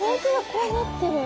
こうなってる。